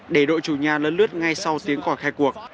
để đội chủ nhà lớn lướt ngay sau tiếng quả khai cuộc